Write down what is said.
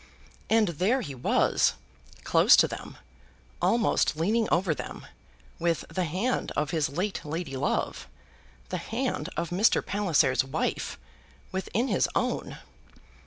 And there he was, close to them, almost leaning over them, with the hand of his late lady love, the hand of Mr. Palliser's wife, within his own!